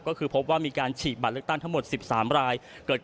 ก็คือพบว่ามีการฉีกบัตรเลือกตั้งทั้งหมด๑๓รายเกิดขึ้นในหลายจังหวัดครับ